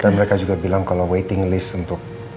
mereka juga bilang kalau waiting list untuk